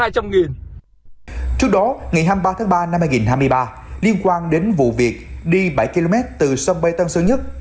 trước đó ngày hai mươi ba tháng ba năm hai nghìn hai mươi ba liên quan đến vụ việc đi bảy km từ sân bay tân sơn nhất